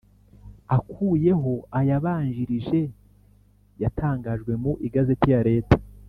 akuyeho ayayabanjirije yatangajwe mu Igazeti ya leta